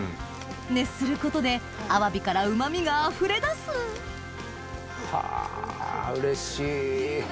熱することでアワビからうま味があふれ出すはぁうれしい。